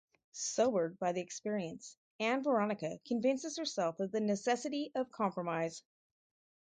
Sobered by the experience, Ann Veronica convinces herself of the necessity of compromise.